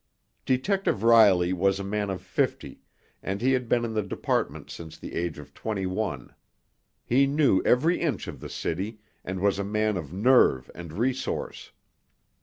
Detective Riley was a man of fifty, and he had been in the department since the age of twenty one. He knew every inch of the city, and was a man of nerve and resource.